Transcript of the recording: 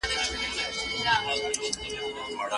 څله بيا په دومره درد، ماته اړوې سترگې